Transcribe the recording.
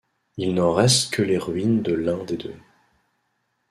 Il n’en reste que les ruines de l’un des deux.